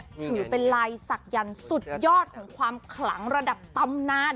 ถือเป็นลายศักยันต์สุดยอดของความขลังระดับตำนาน